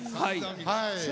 はい。